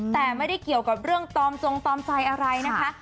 แต่ไม่ได้เกี่ยวกับเรื่องตอมจงตอมใจอะไรนะคะ